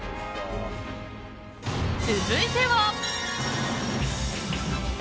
続いては。